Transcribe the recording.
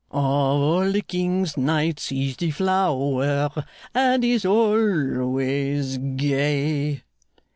'Of all the king's knights he's the flower, And he's always gay!